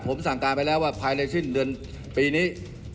ผมสั่งการไปแล้วว่าภายในสิ้นเดือนปีนี้